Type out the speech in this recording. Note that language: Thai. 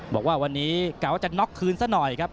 บอกว่าวันนี้เก๋าจะน็อกคืนซะหน่อยครับ